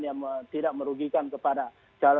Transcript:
yang tidak merugikan kepada